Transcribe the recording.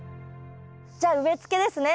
じゃあ植えつけですね。